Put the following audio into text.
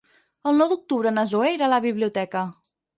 El nou d'octubre na Zoè irà a la biblioteca.